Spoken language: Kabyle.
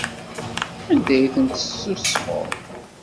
Anda ay tent-tessusfeḍ?